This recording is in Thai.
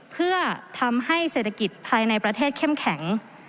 เพื่อทำให้เศรษฐกิจภายในประเทศเข้มแข็ง